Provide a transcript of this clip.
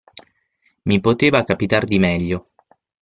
Mi poteva capitar di meglio.